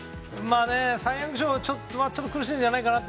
サイ・ヤング賞はちょっと苦しいんじゃないかなと。